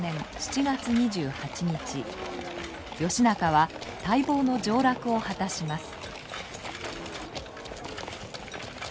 義仲は待望の上洛を果たします。